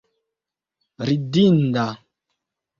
ridinda